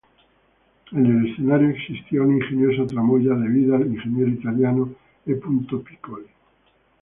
En el escenario existía una ingeniosa tramoya debida al ingeniero italiano E. Piccoli.